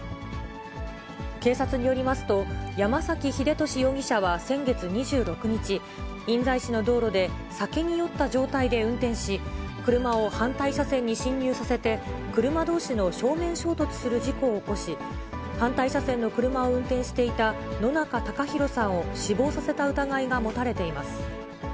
警察によりますと、山崎英敏容疑者は先月２６日、印西市の道路で、酒に酔った状態で運転し、車を反対車線に進入させて、車どうしの正面衝突する事故を起こし、反対車線の車を運転していた野仲隆宏さんを死亡させた疑いが持たれています。